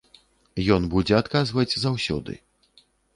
Ён будзе адказваць заўсёды.